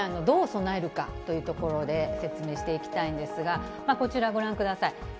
どう備えるかというところで説明していきたいんですが、こちら、ご覧ください。